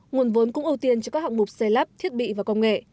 nguồn vốn cũng ưu tiên cho các hạng mục xây lắp thiết bị và công nghệ